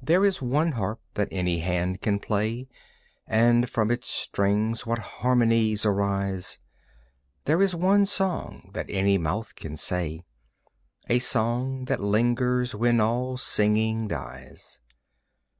There is one harp that any hand can play, And from its strings what harmonies arise! There is one song that any mouth can say, A song that lingers when all singing dies.